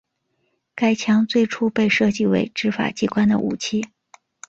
该枪最初被设计为执法机关的武器。